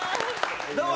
どうも。